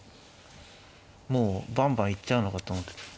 もうバンバン行っちゃうのかと思ってた。